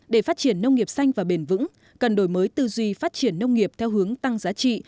để phát triển nông nghiệp xanh và bền vững cần đổi mới tư duy phát triển nông nghiệp theo hướng tăng giá trị